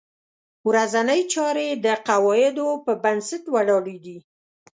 ورځنۍ چارې د قواعدو په بنسټ ولاړې دي.